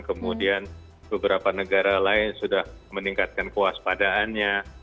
kemudian beberapa negara lain sudah meningkatkan kuas padaannya